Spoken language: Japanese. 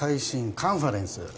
カンファレンス